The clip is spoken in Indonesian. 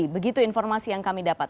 begitu informasi yang kami dapat